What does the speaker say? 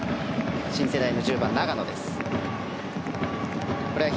新世代の１０番、長野です。